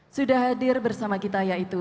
sudah hadir bersama kita yaitu